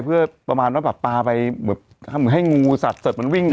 เพื่อประมาณว่าแบบปลาไปเหมือนให้งูสัตวมันวิ่ง